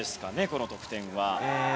この得点は。